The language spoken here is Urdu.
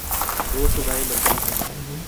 دو سزائیں بنتی ہیں۔